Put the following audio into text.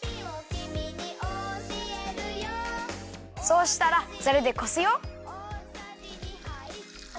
そうしたらザルでこすよ。